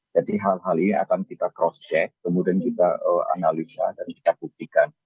jadi hal hal ini akan kita cross check kemudian kita analisa dan kita buktikan